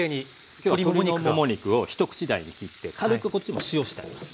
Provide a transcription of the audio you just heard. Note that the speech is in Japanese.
今日は鶏のもも肉を一口大に切って軽くこっちも塩してあります。